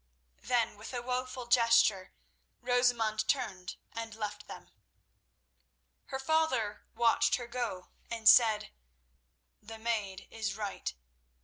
Then, with a woeful gesture, Rosamund turned and left them. Her father watched her go, and said: "The maid is right.